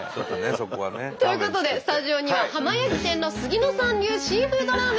そこはね。ということでスタジオには浜焼き店の杉野さん流シーフードラーメンを用意しました。